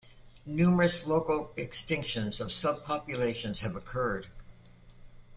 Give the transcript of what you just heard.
Numerous local extinctions of subpopulations have occurred.